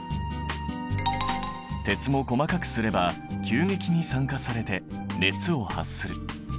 鉄も細かくすれば急激に酸化されて熱を発する。